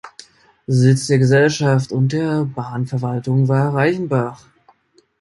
Sitz der Gesellschaft und der Bahnverwaltung war Reichenbach.